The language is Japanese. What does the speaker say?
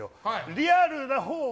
リアルなほうが。